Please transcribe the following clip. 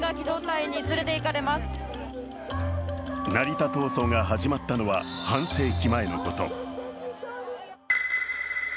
成田闘争が始まったのは半世紀前のこと。